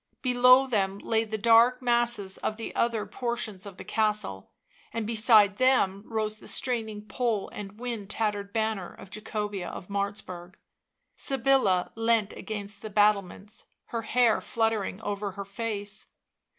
Below them lay the dark masses of the other portions of the castle, and beside them rose the straining pole and wind tattered banner of Jacobea of Martzburg. Sybilla leant against the battlements, her hair fluttering over her face.